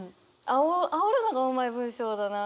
あおるのがうまい文章だな。